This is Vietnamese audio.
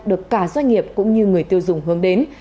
được cả doanh nghiệp cũng như người tiêu dùng hướng đến